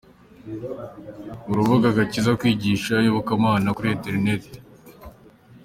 Urubuga Agakiza Kwigisha iyobokamana kuri interinete